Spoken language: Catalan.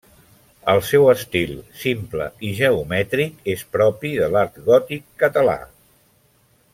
El seu estil, simple i geomètric, és propi de l'art gòtic català.